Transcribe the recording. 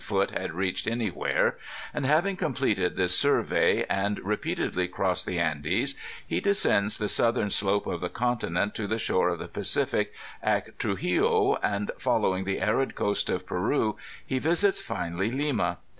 foot had reached, anywhere ; and, having completed this survey and repeatedly crossed the Andes, he descends the southern slope of the continent to the shore of the Pacific at Truxillo, and fol lowing the arid coast of Peru, he visits finally Lima.